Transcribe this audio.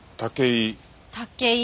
武井？